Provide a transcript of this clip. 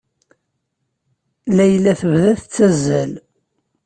Layla tebda tettazzal.